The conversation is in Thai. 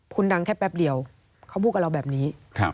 คุณดังแค่แป๊บเดียวเขาพูดกับเราแบบนี้